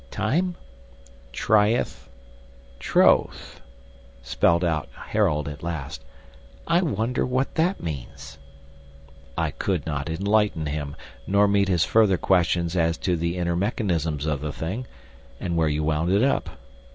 "TIME: TRYETH: TROTHE:" spelt out Harold at last. "I wonder what that means?" I could not enlighten him, nor meet his further questions as to the inner mechanism of the thing, and where you wound it up.